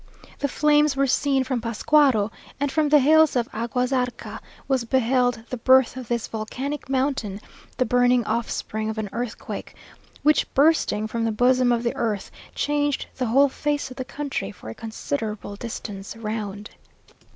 The flames were seen from Pascuaro; and from the hills of Agua Zarca was beheld the birth of this volcanic mountain, the burning offspring of an earthquake, which bursting from the bosom of the earth, changed the whole face of the country for a considerable distance round.